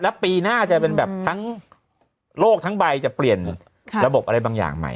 แล้วปีหน้าจะเป็นแบบทั้งโลกทั้งใบจะเปลี่ยนระบบอะไรบางอย่างใหม่